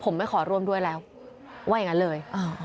ผมไม่ขอร่วมด้วยแล้วว่าอย่างนั้นเลย